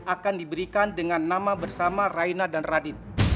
akan diberikan dengan nama bersama raina dan radit